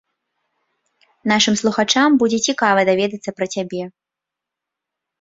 Нашым слухачам будзе цікава даведацца пра цябе.